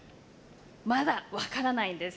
まだ、分からないんです。